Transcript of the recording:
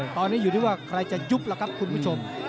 ตอนนี้อยู่ที่ว่าใครจะยุบล่ะครับคุณผู้ชม